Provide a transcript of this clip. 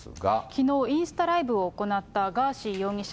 きのう、インスタライブを行ったガーシー容疑者。